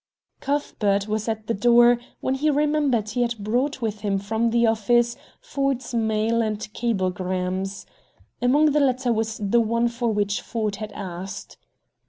Cuthbert was at the door when he remembered he had brought with him from the office Ford's mail and cablegrams. Among the latter was the one for which Ford had asked.